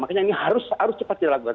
makanya ini harus cepat dilakukan